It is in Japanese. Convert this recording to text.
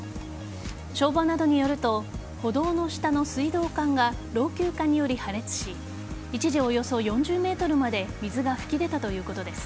消防などによると歩道の下の水道管が老朽化により破裂し一時およそ４０ｍまで水が噴き出たということです。